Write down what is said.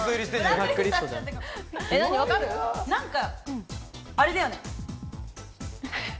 何か、あれだよね。